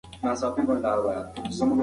د مطالعې میتود د ټولنپوهنې اساس دی.